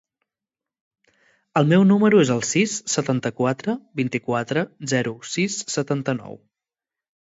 El meu número es el sis, setanta-quatre, vint-i-quatre, zero, sis, setanta-nou.